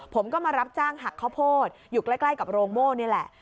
ผมก็มารับจ้างหักข้าวโพดอยู่ใกล้กับโรงโม่นี่แหละ